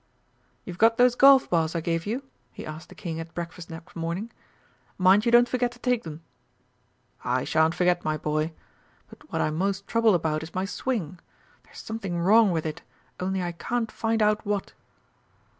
"You've got those golf balls I gave you?" he asked the King at breakfast next morning. "Mind you don't forget to take 'em." "I shan't forget, my boy. But what I'm most troubled about is my swing there's something wrong with it, only I can't find out what."